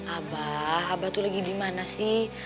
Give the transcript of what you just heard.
abah abah tuh lagi dimana sih